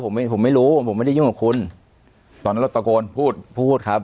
ผมไม่ผมไม่รู้ผมไม่ได้ยุ่งกับคุณตอนนั้นเราตะโกนพูดพูดครับ